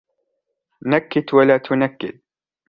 نَكّتْ ولا تُنكّد.